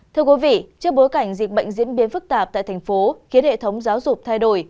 thưa quý vị trước bối cảnh dịch bệnh diễn biến phức tạp tại thành phố khiến hệ thống giáo dục thay đổi